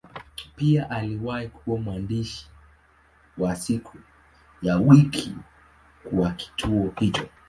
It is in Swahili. Pia aliwahi kuwa mwandishi wa siku ya wiki kwa kituo hicho.